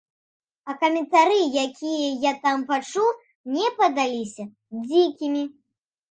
А каментары, якія я там пачуў, мне падаліся дзікімі.